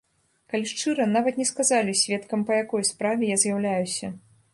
Калі шчыра, нават не сказалі, сведкам па якой справе я з'яўляюся.